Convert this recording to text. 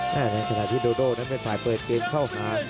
แถมแหลกเฉธริทธิ์โดโดดั้วเป็นฝ่าอบฯเพิ่มเกม